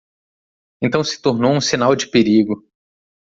Então se tornou um sinal de perigo.